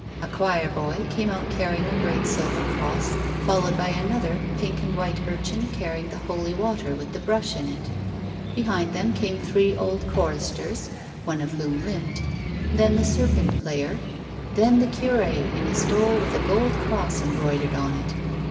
A choir boy came out carrying a great silver cross, followed by another i)ink and white urchin carrying the holy water with the brush in it ; behind them came three old choristers, one of whom limped, then the serpent player, then the cure in a stole with a gold cross embroidered on it.